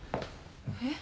えっ？